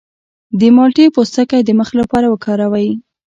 د مالټې پوستکی د مخ لپاره وکاروئ